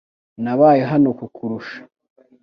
Nabaye hano kukurusha .